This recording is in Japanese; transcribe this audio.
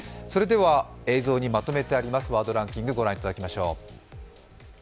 映像にまとめてあります、ワードランキングご覧になりましょう。